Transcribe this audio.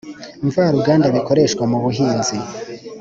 Mvaruganda bikoreshwa mu buhinzi